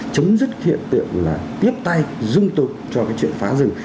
chấm dứt hiện tượng là tiếp tay dung tục cho cái chuyện phá rừng